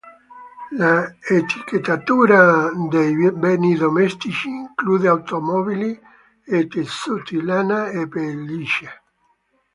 La etichettatura dei beni domestici include automobili e tessuti, lana, e pellicce.